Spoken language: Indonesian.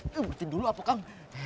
beritahu dulu apa kak